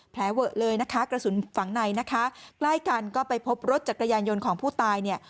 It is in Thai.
แผลเวอะเลยกระสุนฝังในใกล้กันก็ไปพบรถจัดกระยายยนต์ของผู้ตาย